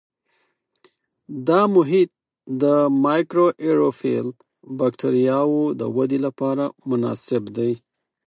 دا محیط د مایکروآیروفیل بکټریاوو د ودې لپاره مناسب دی.